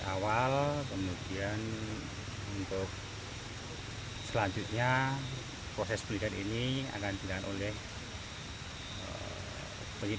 awal kemudian untuk selanjutnya proses pilihan ini akan dilihat oleh